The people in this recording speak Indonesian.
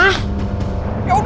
tante aku mau